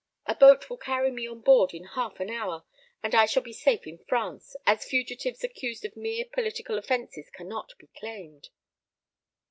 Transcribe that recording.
A boat will carry me on board in half an hour, and I shall be safe in France, as fugitives accused of mere political offences cannot be claimed."